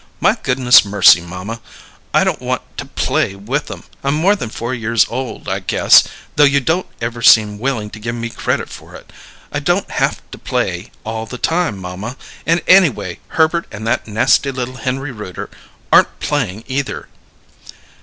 My goodness mercy, mamma, I don't want to 'play' with 'em! I'm more than four years old, I guess; though you don't ever seem willing to give me credit for it. I don't haf to 'play' all the time, mamma: and anyway, Herbert and that nasty little Henry Rooter aren't playing, either."